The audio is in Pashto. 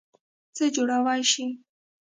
څه جوړوئ شی؟